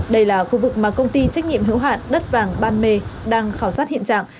đây là khu vực mà công ty trách nhiệm hữu hạn đất vàng ban mê đang khảo sát hiện trạng